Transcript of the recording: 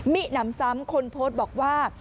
หนำซ้ำคนโพสต์บอกว่า